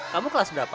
kamu kelas berapa